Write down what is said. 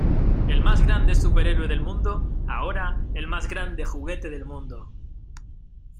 ¡ El mas grande súper héroe del mundo, ahora el mas grande juguete del mundo!